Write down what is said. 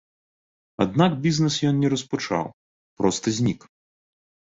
Аднак бізнес ён не распачаў, проста знік.